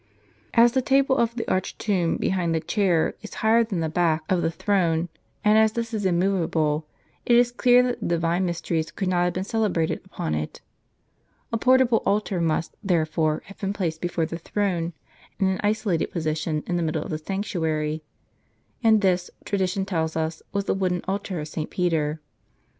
As the table of the arched tomb behind the chair is higher than the back of the throne, and as this is immovable, it is clear that the divine mysteries could not have been celebrated upon it. A portable altar must, therefore, have been placed before the throne, in an isolated position in the middle of the sanctuary : and this, tradition tell us, was the wooden altar of St. Peter.